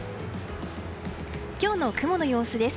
今日の雲の様子です。